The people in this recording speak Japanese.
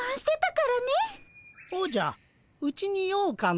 おじゃうちに用かの？